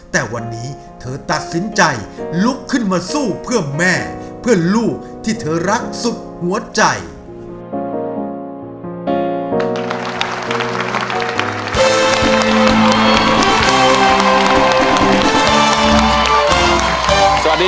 แต่วันนี้เธอตัดสินใจลุกขึ้นมาสู้เพื่อแม่เพื่อนลูกที่เธอรักสุดหัวใจ